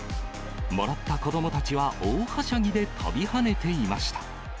もらった子どもたちは大はしゃぎで跳びはねていました。